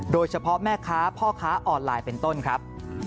โดยเฉพาะแม่ค้าพ่อค้าออนไลน์เป็นต้นครับ